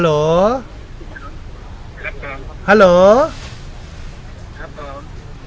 หลาโหลครับฮัลโหล